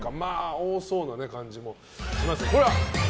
多そうな感じもしますが。